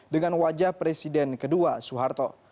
dengan wajah presiden kedua soeharto